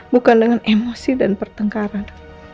bukan dengan emosi dan pertengkaran